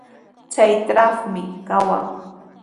Chaytrawmi kawan.